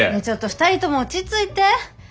ちょっと２人とも落ち着いて。